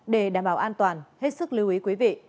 để đảm bảo an toàn hết sức lưu ý quý vị